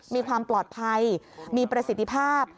มีความปลอดภัยมีประสิทธิภาพ